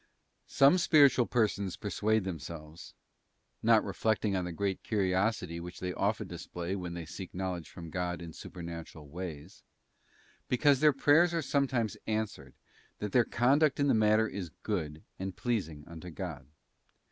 Some spiritual persons persuade themselves—not reflecting 1 on the great curiosity which they often display when they seek knowledge from God in supernatural ways—because their prayers are sometimes answered, that their conduct in the matter is good and pleasing unto God.